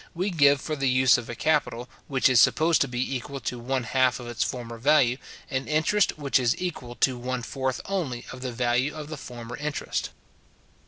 we give for the use of a capital, which is supposed to be equal to one half of its former value, an interest which is equal to one fourth only of the value of the former interest.